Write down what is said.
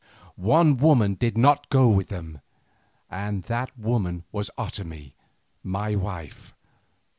One woman did not go with them, and that woman was Otomie my wife.